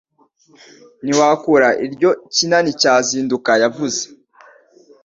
Ntiwakura iryo Kinani cya Kizinduka yavuze,